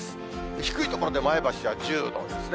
低い所で前橋は１０度ですね。